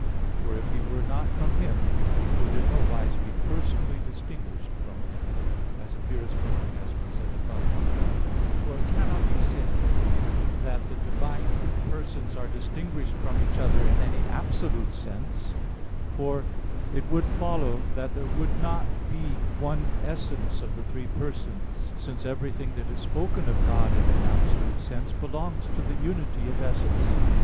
For if He were not from Him, He could in no wise be personally distinguished from Him; as appears from what has been said above (Q. 28, A. 3; Q. 30, A. 2). For it cannot be said that the divine Persons are distinguished from each other in any absolute sense; for it would follow that there would not be one essence of the three persons: since everything that is spoken of God in an absolute sense, belongs to the unity of essence.